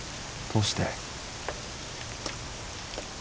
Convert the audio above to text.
どうして？